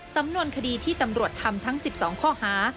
สำนวนคดีที่ตำรวจทำทั้ง๑๒ข้อหา